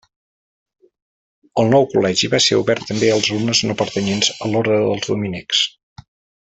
El nou Col·legi va ser obert també als alumnes no pertanyents a l'Orde dels dominics.